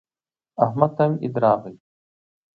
احمد ته هم عید راغی.